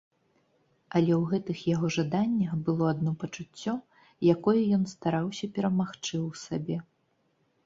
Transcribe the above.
Але ў гэтых яго жаданнях было адно пачуццё, якое ён стараўся перамагчы ў сабе.